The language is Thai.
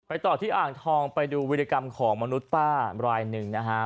ต่อที่อ่างทองไปดูวิธีกรรมของมนุษย์ป้ารายหนึ่งนะฮะ